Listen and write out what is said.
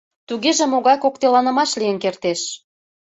Тугеже могай кокытеланымаш лийын кертеш?